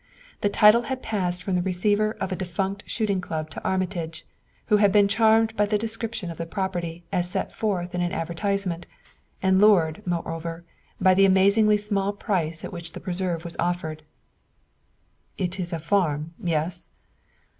The title had passed from the receiver of a defunct shooting club to Armitage, who had been charmed by the description of the property as set forth in an advertisement, and lured, moreover, by the amazingly small price at which the preserve was offered. "It is a farm yes?"